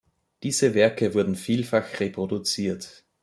Diese Werke wurden vielfach reproduziert.